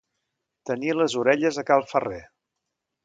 Tenir les orelles a cal ferrer.